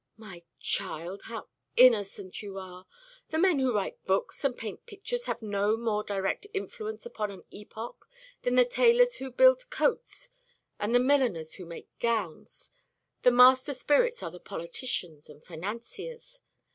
"My child, how innocent you are! The men who write books and paint pictures have no more direct influence upon an epoch than the tailors who build coats and the milliners who make gowns. The master spirits are the politicians and financiers.